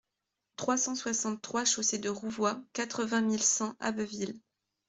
trois cent soixante-trois chaussée de Rouvroy, quatre-vingt mille cent Abbeville